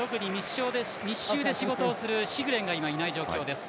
密集を作るシグレンがいない状況です。